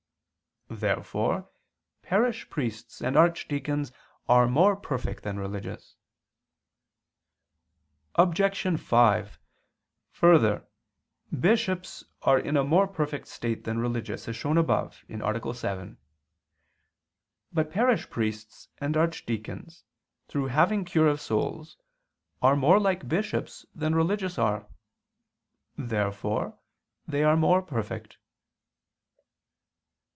Therefore parish priests and archdeacons are more perfect than religious. Obj. 5: Further, bishops are in a more perfect state than religious, as shown above (A. 7). But parish priests and archdeacons, through having cure of souls, are more like bishops than religious are. Therefore they are more perfect.